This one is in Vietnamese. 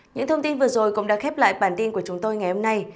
những thông tin vừa rồi cũng đã khép lại bản tin của chúng tôi ngày hôm nay